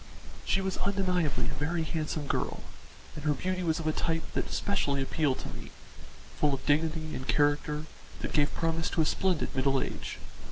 She was undeniably a very handsome girl, and her beauty was of a type that specially appealed to me full of dignity and character that gave promise of a splendid middle age.